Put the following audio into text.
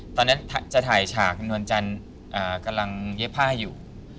ตอนนั้นจะถ่ายฉากนวลจันทร์กำลังเย็บผ้าอยู่